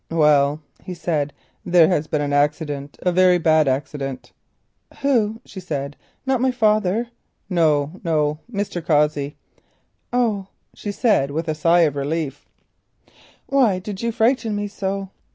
"Well," he said, "there has been an accident—a very bad accident." "Who?" she said. "Not my father?" "No, no; Mr. Cossey." "Oh," she said, with a sigh of relief. "Why did you frighten me so?"